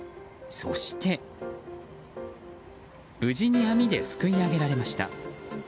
そして、無事に網ですくい上げられました。